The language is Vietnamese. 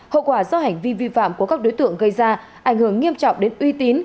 hậu quả do hành vi vi phạm của các đối tượng gây ra ảnh hưởng nghiêm trọng đến uy tín